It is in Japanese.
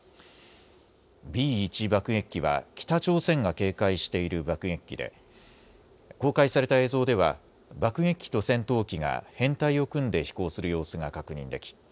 Ｂ１爆撃機は北朝鮮が警戒している爆撃機で公開された映像では爆撃機と戦闘機が編隊を組んで飛行する様子が確認でき